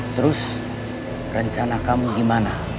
terus rencana kamu gimana